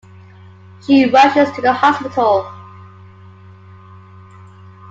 She rushes to the hospital.